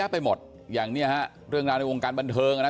เยอะแยะไปหมดอย่างเนี้ยฮะเรื่องราวในวงการบรรเทิงอ่ะนะ